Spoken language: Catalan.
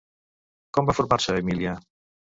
Com va formar-se Emília?